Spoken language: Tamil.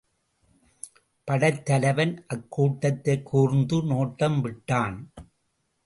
படைத்தலைவன் அக் கூட்டத்தைக் கூர்ந்து நோட்டம் விட்டான்.